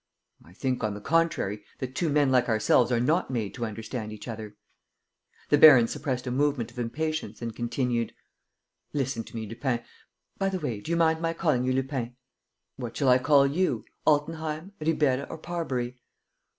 "I think, on the contrary, that two men like ourselves are not made to understand each other." The baron suppressed a movement of impatience and continued: "Listen to me, Lupin. ... By the way, do you mind my calling you Lupin?" "What shall I call you? Altenheim, Ribeira, or Parbury?"